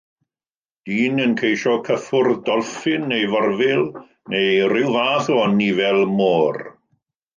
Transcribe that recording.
dyn yn ceisio cyffwrdd dolffin neu forfil neu rhyw fath o anifail môr